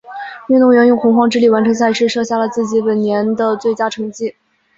运动员用洪荒之力完成赛事，设下了自己本年的最佳成绩。